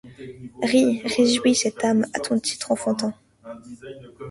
Ris ! Réjouis cette âme à ton rire enfantin.